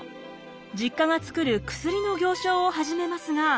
実家がつくる薬の行商を始めますが。